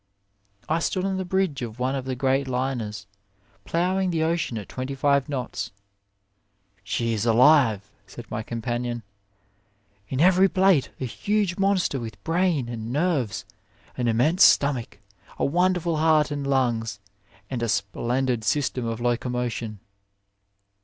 I stood on the bridge of one of the great liners, ploughing the ocean at 25 knots. "She is alive," said my companion, "in every plate; a huge monster with brain and nerves, an 21 A WAY immense stomach, a wonderful heart and lungs, and a splendid system of locomotion."